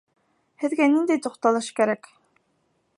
Һеҙгә ниндәй туҡталыш кәрәк?